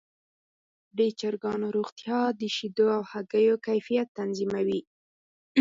د چرګانو روغتیا د شیدو او هګیو کیفیت تضمینوي.